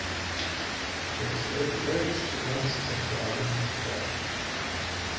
He also wrote the lyrics to another successful album "Dawn".